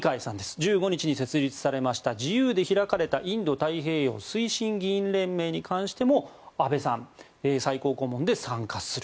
１５日に設立されました自由で開かれたインド太平洋推進議員連盟に関しても安倍さん、最高顧問で参加する。